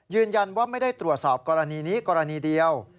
ยืนยันว่าไม่ได้ตรวจสอบกรณีนี้กรณีเดียว